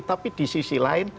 tapi di sisi lain